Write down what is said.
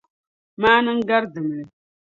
Maana n-gari dimli.